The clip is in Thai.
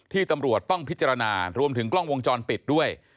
ตำรวจต้องพิจารณารวมถึงกล้องวงจรปิดด้วย